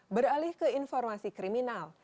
beralih ke informasi kriminal